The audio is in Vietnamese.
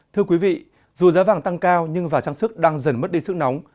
thưa quý vị dù giá vàng tăng cao nhưng và trang sức đang dần mất đi sức nóng